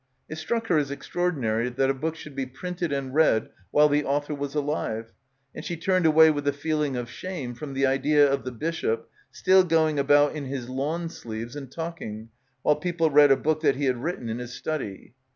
It struck her as extraordinary that a book should be printed and read while the author was alive, and she turned away with a feeling of shame from the idea of the bishop, still going about in his lawn sleeves and talking, while people read a book that he had written in his study.